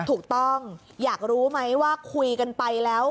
ถูกต้องอยากรู้ไหมว่าคุยกันไปแล้ว